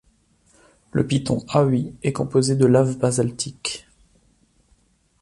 Le piton Haüy est composé de laves basaltiques.